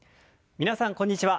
皆さんこんにちは。